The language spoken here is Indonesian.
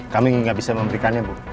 kami nggak bisa memberikannya bu